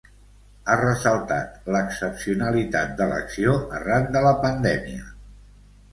Ha ressaltat l’excepcionalitat de l’acció arran de la pandèmia.